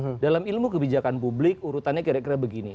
karena di bawahnya ada kebijakan publik urutannya kira kira begini